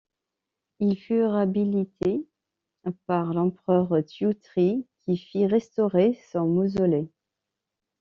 Il fut réhabilité par l'empereur Thiệu Trị qui fit restaurer son mausolée.